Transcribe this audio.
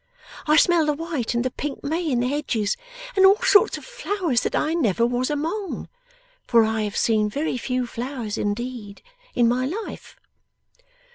I smell the white and the pink May in the hedges, and all sorts of flowers that I never was among. For I have seen very few flowers indeed, in my life.